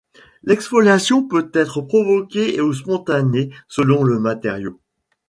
L'exfoliation peut être provoquée ou spontanée selon le matériau.